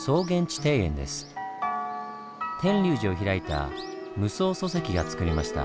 天龍寺を開いた夢窓疎石がつくりました。